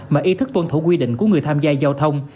mà ý thức tuân thủ quy định của người tham gia giao thông